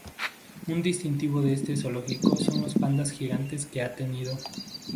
Un distintivo de este zoológico son los pandas gigantes que ha tenido.